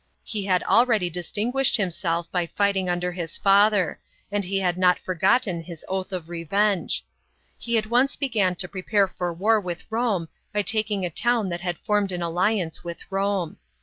He had already distinguished him self by fighting under his father, and he had not forgotten his oath of revenge. He at once began to prepare for war with Rome by taking a town that had formed an alliance with Home.